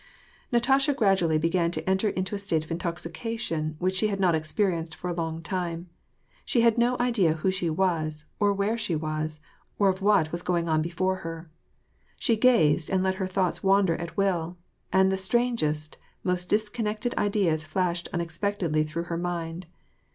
Natasha gradually began to enter into a state of intoxication which she had not experienced for a long time. She had no idea who she was, or where she was, or of what was going on before her. She gazed, and let her thoughts wander at will, and the strangest, most disconnected ideas flashed unexpect edly through her mind.